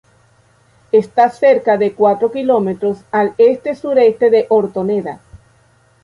Está cerca de cuatro kilómetros al este-sureste de Hortoneda.